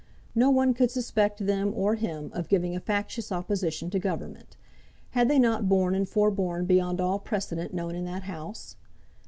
No one could suspect them or him of giving a factious opposition to Government. Had they not borne and forborne beyond all precedent known in that House?